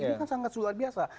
ini kan sangat luar biasa